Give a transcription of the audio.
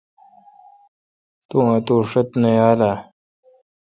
تو اوتو شیت نہ یال اؘ۔